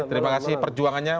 terima kasih perjuangannya